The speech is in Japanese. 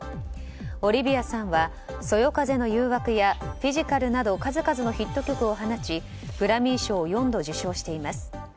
オリビアさんは「そよ風の誘惑」や「フィジカル」など数々のヒット曲を放ちグラミー賞を４度受賞しています。